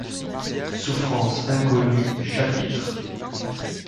Souffrances Inconnues Chapitre